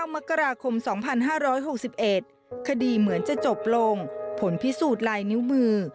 มกราคม๒๕๖๑คดีเหมือนจะจบลงผลพิสูจน์ลายนิ้วมือ